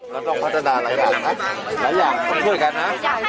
เราต้องพัฒนาหลายอย่างนะหลายอย่างต้องช่วยกันนะ